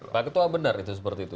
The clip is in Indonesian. pak ketua benar itu seperti itu